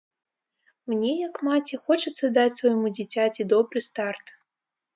Мне, як маці, хочацца даць свайму дзіцяці добры старт.